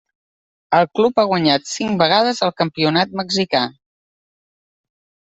El club ha guanyat cinc vegades el campionat mexicà.